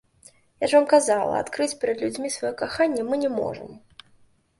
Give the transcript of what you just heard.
Я ж вам казала, адкрыць перад людзьмі сваё каханне мы не можам.